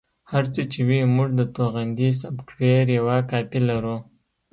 هر څه چې وي موږ د توغندي سافټویر یوه کاپي لرو